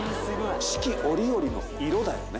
四季折々の色だよね。